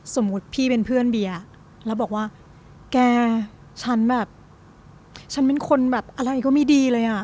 สมมุติพี่เป็นเพื่อนเบียร์แล้วบอกว่าแกฉันแบบฉันเป็นคนแบบอะไรก็ไม่ดีเลยอ่ะ